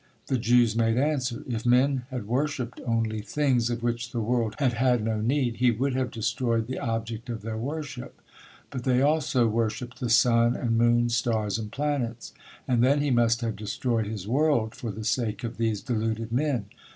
The Jews made answer If men had worshipped only things of which the world had had no need, he would have destroyed the object of their worship; but they also worship the sun and moon, stars and planets; and then he must have destroyed his world for the sake of these deluded men.